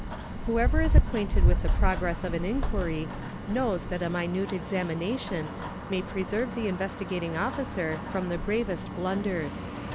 _ Whoever is acquainted with the progress of an inquiry, knows that cite examination may preserve the Investigating Officer from the ravest blunders.